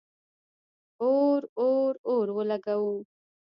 اور، اور، اور ولګوو